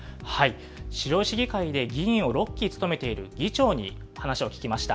白井市議会で議員を６期務めている議長に話を聞きました。